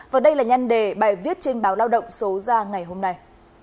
và đây là nhân đề bài viết trên báo lao động số ra ngày hôm nay